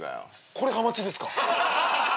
これハマチですか？